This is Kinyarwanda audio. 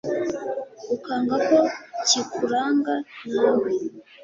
ukanga ko kikuranga nawe